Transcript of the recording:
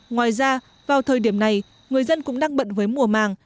ngoài ra vào thời điểm này người dân cũng đang bận với mùa màng